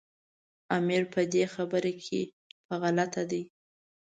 امیر په دې خبره کې په غلطه دی.